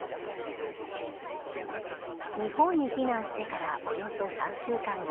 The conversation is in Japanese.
日本に避難してからおよそ３週間後。